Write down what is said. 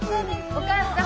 お義母さん